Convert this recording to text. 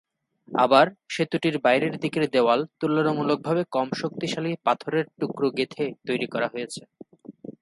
আবার সেতুটির বাইরের দিকের দেওয়াল তুলনামূলকভাবে কম শক্তিশালী পাথরের টুকরো গেঁথে তৈরি করা হয়েছে।